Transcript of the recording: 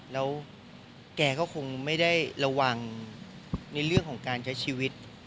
แล้วแกก็คงไม่ได้ระวังในเรื่องของการใช้ชีวิต